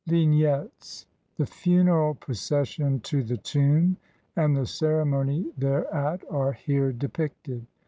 ] Vignettes : The funeral procession to the tomb, and the ceremony there at, are here depicted.